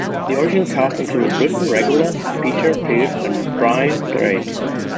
The original cast included Britten regulars Peter Pears and Bryan Drake.